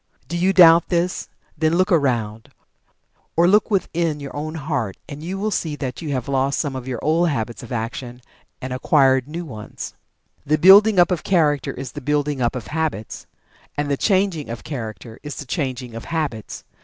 Do you doubt this? Then look around you or look within your own heart, and you will see that you have lost some of your old habits of action, and have acquired new ones. The building up of Character is the building up of Habits. And the changing of Character is the changing of Habits.